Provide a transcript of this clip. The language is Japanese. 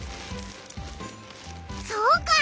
そうか！